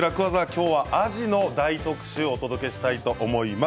今日はアジの大特集をお届けしたいと思います。